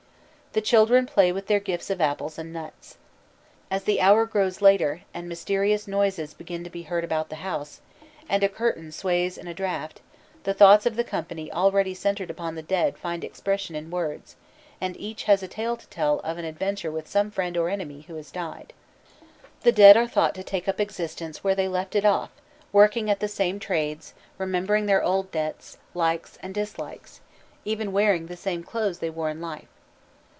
The children play with their gifts of apples and nuts. As the hour grows later, and mysterious noises begin to be heard about the house, and a curtain sways in a draught, the thoughts of the company already centred upon the dead find expression in words, and each has a tale to tell of an adventure with some friend or enemy who has died. The dead are thought to take up existence where they left it off, working at the same trades, remembering their old debts, likes and dislikes, even wearing the same clothes they wore in life.